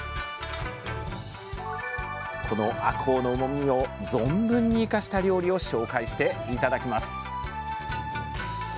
このあこうのうまみを存分に生かした料理を紹介して頂きます。